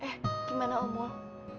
eh gimana umur